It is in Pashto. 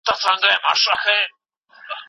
او د غم پېټی دا دی تا باندې راوښويدی